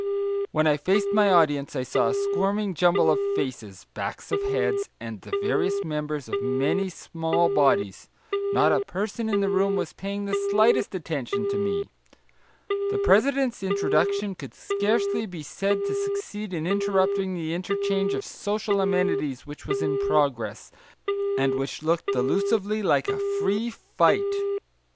When I faced my audience, I saw a squirming jumble of faces, backs of heads, and the various members of many small bodies, not a person in the room was paying the slightest attention to me; the president's introduction could scarcely be said to succeed in interrupting the interchange of social amenities which was in progress, and which looked delusively like a free fight.